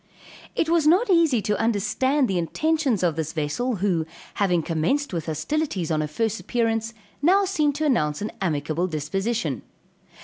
It was not easy to understand the intentions of this vessel, who, having commenced with hostilities on her first appearance now seemed to announce an amicable disposition.